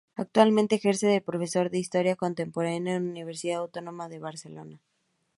Actualmente ejerce de profesor de Historia contemporánea en la Universidad Autónoma de Barcelona.